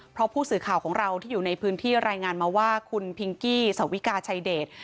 เพราะผู้สื่อข่าวของเราที่อยู่ในพื้นที่รายงานมาว่าคุณพิงกี้สวิกาชัยเดช